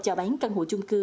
chào bán căn hộ chung cư